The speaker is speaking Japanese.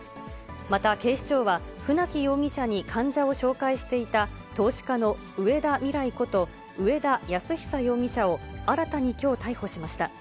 また警視庁は、船木容疑者に患者を紹介していた投資家の上田未来こと、上田泰久容疑者を、新たにきょう逮捕しました。